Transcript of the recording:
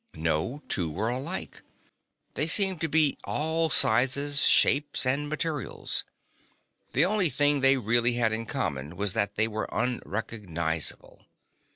No two were alike. They seemed to be all sizes, shapes and materials. The only thing they really had in common was that they were unrecognizable.